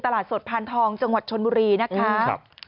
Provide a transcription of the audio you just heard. ตลาดสดพานทองจังหวัดชนบุรีนะคะ